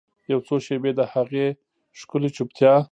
یوڅو شیبې د هغې ښکلې چوپتیا